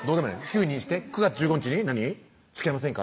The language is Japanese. ９にして「９月１５日につきあいませんか？」